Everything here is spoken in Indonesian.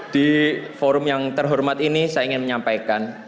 di forum yang terhormat ini saya ingin menyampaikan